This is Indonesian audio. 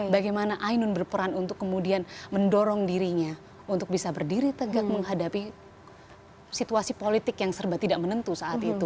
bagaimana ainun berperan untuk kemudian mendorong dirinya untuk bisa berdiri tegak menghadapi situasi politik yang serba tidak menentu saat itu